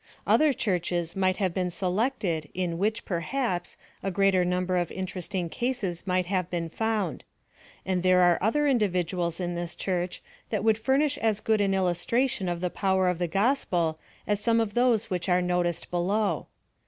Other churches might have been selected in which, perhaps, a greater number of interesting cases might have been found. And there are other individuals in this church that would furnish as good an illus tration of the power of the gospel as some of those which are noticed below.